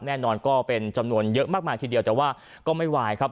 แน่นอนก็เป็นจำนวนเยอะมากมายทีเดียวแต่ว่าก็ไม่ไหวครับ